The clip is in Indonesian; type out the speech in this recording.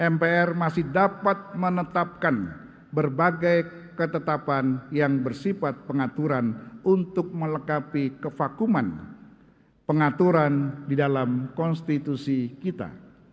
mpr masih dapat menetapkan berbagai ketetapan yang bersifat pengaturan untuk melekapi kevakuman pengaturan di dalam konstitusi kita